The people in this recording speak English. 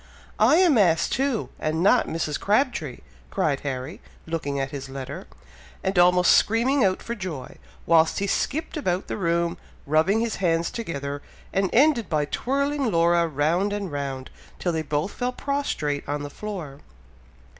"I am asked too! and not Mrs. Crabtree!" cried Harry, looking at his letter, and almost screaming out for joy, whilst he skipped about the room, rubbing his hands together, and ended by twirling Laura round and round, till they both fell prostrate on the floor.